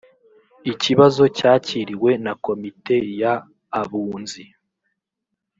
ikibazo cyakirwe na komite y abunzi